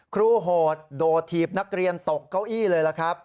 โหดโดดถีบนักเรียนตกเก้าอี้เลยล่ะครับ